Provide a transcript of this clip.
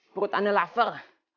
perut saya lapar